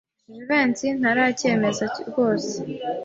Jivency ntaracyemeza rwose.